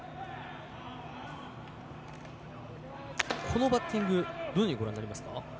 このバッティングどういうふうにご覧になりますか。